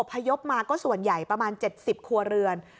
พยพมาก็ส่วนใหญ่ประมาณ๗๐ครัวเรือน